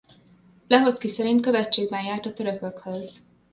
Lehoczky szerint követségben járt a törökhöz.